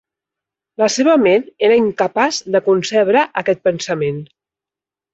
La seva ment era incapaç de concebre aquest pensament.